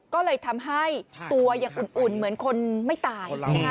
ก็เลยทำให้ตัวยังอุ่นเหมือนคนไม่ตาย